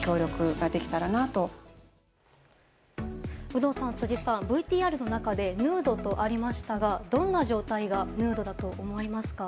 有働さん、辻さんＶＴＲの中でヌードとありましたがどんな状態がヌードだと思いますか？